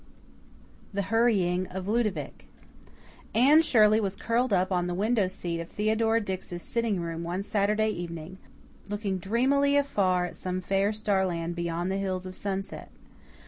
The Hurrying of Ludovic Anne Shirley was curled up on the window seat of Theodora Dix's sitting room one Saturday evening, looking dreamily afar at some fair starland beyond the hills of sunset.